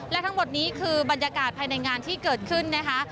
และทั้งหมดนี้คือบรรยากาศภายในงานที่เกิดขึ้นนะคะ